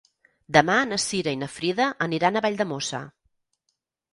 Demà na Cira i na Frida aniran a Valldemossa.